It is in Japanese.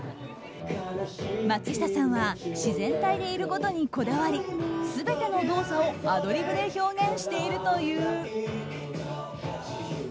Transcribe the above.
松下さんは自然体でいることにこだわり全ての動作をアドリブで表現しているという。